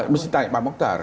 mesti tanya pak mokhtar